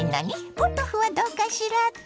ポトフはどうかしらって？